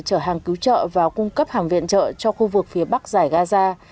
chở hàng cứu trợ và cung cấp hàng viện trợ cho khu vực phía bắc giải gaza